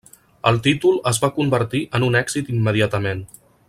El títol es va convertir en un èxit immediatament.